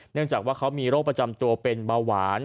เนื่องจากว่าเขามีโรคประจำตัวเป็นเบาหวาน